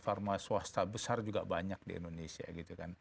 pharma swasta besar juga banyak di indonesia